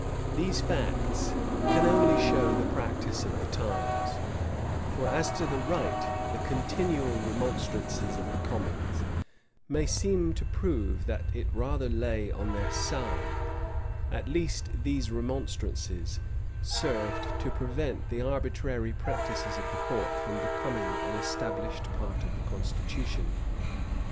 These facts can only show the practice of the times: for as to the right, the continual remonstrances of the commons may seem to prove that it rather lay on their side: at least, these remonstrances served to prevent the arbitrary practices of the court from becoming an established part of the constitution.